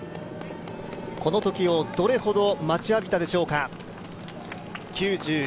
このときをどれほど待ちわびたでしょうか。